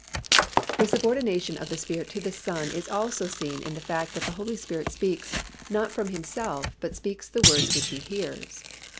The subordination of the Spirit to the Son is also seen in the fact that the Holy Spirit speaks "not from Himself but speaks the words which He hears."